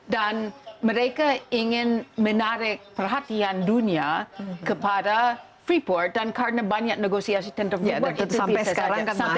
dan mereka ingin menarik perhatian dunia kepada freeport dan karena banyak negosiasi tentang freeport itu bisa saja